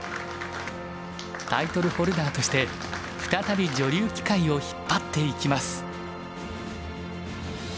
タイトルホルダーとして再び女流棋界を引っ張っていきます。